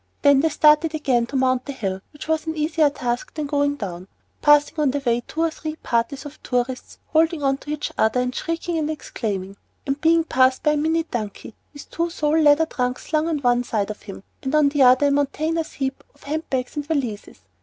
Then they started again to mount the hill, which was an easier task than going down, passing on the way two or three parties of tourists holding on to each other, and shrieking and exclaiming; and being passed by a minute donkey with two sole leather trunks slung on one side of him, and on the other a mountainous heap of hand bags and valises.